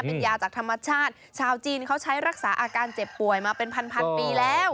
เป็นยาจากธรรมชาติชาวจีนเขาใช้รักษาอาการเจ็บป่วยมาเป็นพันพันปีแล้ว